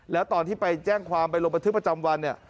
แล้วตอนที่ไปแจ้งความไปลงบันทึกประจำวันเนี่ย